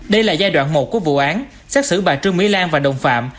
đây là giai đoạn một của vụ án xác xử bà trương mỹ lan và đồng phạm